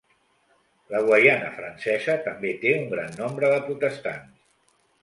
La Guaiana Francesa també té un gran nombre de protestants.